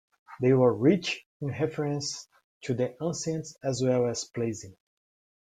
They were rich in reference to the ancients as well as pleasing.